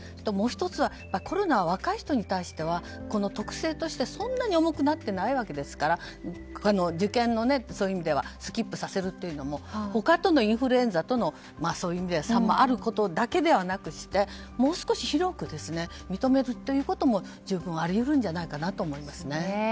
もう１つは、コロナは若い人に対しては特性としてそんなに重くなってないわけですから受験のそういう意味ではスキップさせるというのもインフルエンザとの差もあることだけではなくしてもう少し広く認めるということも十分あり得るんじゃないかなと思います。